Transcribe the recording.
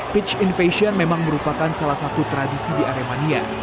pitch invation memang merupakan salah satu tradisi di aremania